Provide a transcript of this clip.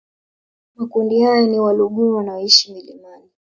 Makundi hayo ni Waluguru wanaoishi milimani